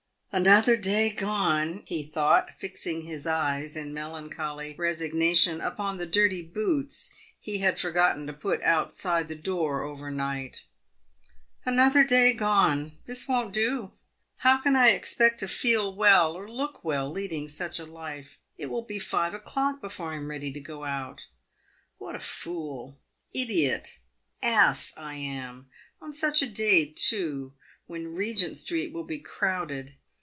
"Another day gone!" he thought, fixing his eyes in melancholy resignation upon the dirty boots he had forgotten to put outside the door overnight. " Another day gone ! This won't do ! How can I expect to feel well or look well leading such a life ! It will be five o'clock before I am ready to go out! What a fool, idiot, ass I am ! On such a day, too, when Regent street will be crowded